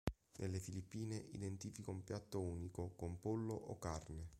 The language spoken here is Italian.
Nelle Filippine identifica un piatto unico con pollo o carne.